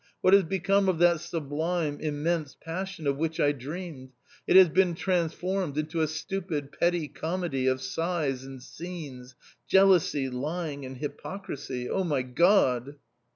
What has become of that sublime, immense passion of which I dreamed ? it has been transformed into a stupid petty comedy of sighs and scenes — jealousy, lying, and hypocrisy — oh, my God!"